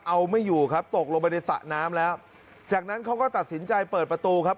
เอาไม่อยู่ครับตกลงไปในสระน้ำแล้วจากนั้นเขาก็ตัดสินใจเปิดประตูครับ